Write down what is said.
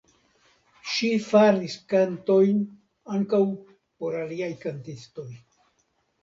Ŝi faris kantojn ankaŭ por aliaj kantistoj.